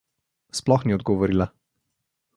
Sploh ni odgovorila.